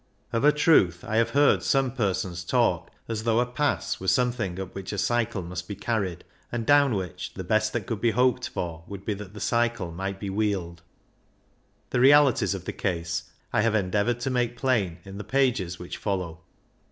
Of a truth I have heard some persons talk as though a Pass were something up which a cycle must be car ried, and down which the best that could be hoped for would be that the cycle might be wheeled. The realities of the case I have endeavoured to make plain in the pages which follow.